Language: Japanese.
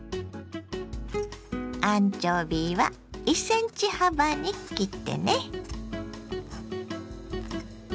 アンチョビは１ｃｍ幅に切ってね。